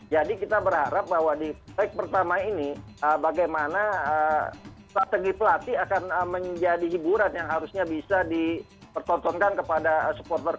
jadi kita berharap bahwa di lag pertama ini bagaimana strategi pelatih akan menjadi hiburan yang harusnya bisa dipertontonkan kepada supporter sporter